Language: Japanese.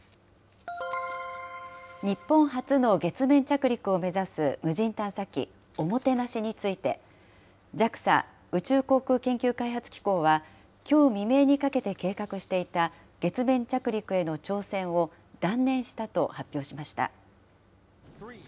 日本初の月面着陸を目指す無人探査機ＯＭＯＴＥＮＡＳＨＩについて、ＪＡＸＡ・宇宙航空研究開発機構は、きょう未明にかけて計画していた月面着陸への挑戦を断念したと発表しました。